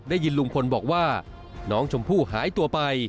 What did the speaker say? ได้ยินลุงพลบอกว่าน้องชมพู่หายตัวไป